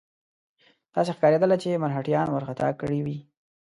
داسې ښکارېدله چې مرهټیان وارخطا کړي وي.